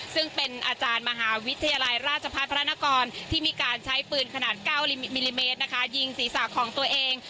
ซึ่งเป็นอาจารย์มหาวิทยาลัยราชพัฒน์พระนกรที่มีการใช้ปืนขนาด๙มิลลิเมตรนะคะยิงศีรษะของตัวเอง